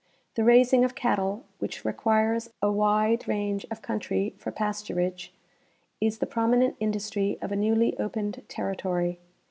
The raising of cattle, which requires a wide range of country for pasturage, is the prominent industry of a newly opened territory.